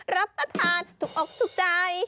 รับประทานถูกอกถูกใจ